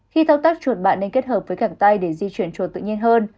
khi thao tác chuột bạn nên kết hợp với găng tay để di chuyển chuột tự nhiên hơn